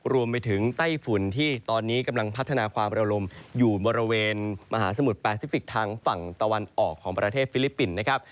ไต้ฝุ่นที่ตอนนี้กำลังพัฒนาความระลมอยู่บริเวณมหาสมุทรแปซิฟิกทางฝั่งตะวันออกของประเทศฟิลิปปินส์นะครับ